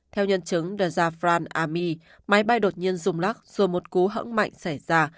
theo nhân chứng deja fran army máy bay đột nhiên rung lắc rồi một cú hỡng mạnh xảy ra